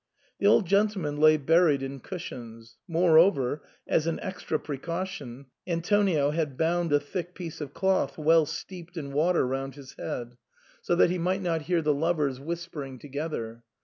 The old gentleman lay buried in cushions ; moreover, as an extra precaution, Antonio had bound a thick piece of cloth well steeped in water round his head, so SIGNOR FORMICA. 113 that he might not hear the lovers whispering together.